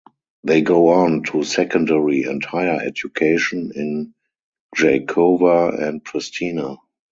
They go on to secondary and higher education in Gjakova and Pristina.